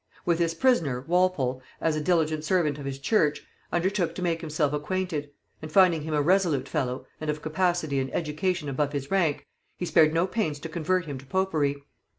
With this prisoner Walpole, as a diligent servant of his Church, undertook to make himself acquainted; and finding him a resolute fellow, and of capacity and education above his rank, he spared no pains to convert him to popery.